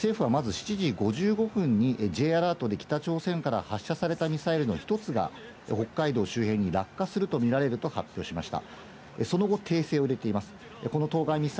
政府はまず７時５９分にＪアラートで北朝鮮から発射されたミサイルの一つが北海道周辺に落下するとみられると発表しました。